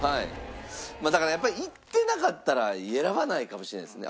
だからやっぱり行ってなかったら選ばないかもしれないですね。